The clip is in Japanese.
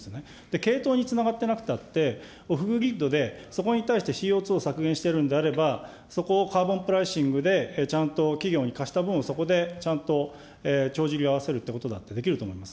けいとうにつながってなくたって、オフブリッドで、そこに対してＣＯ２を削減しているんであれば、そこをカーボンプライシングで、ちゃんと企業に貸した分をそこでちゃんと帳尻を合わせるということだってできると思います。